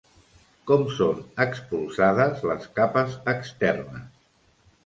Com són expulsades les capes externes?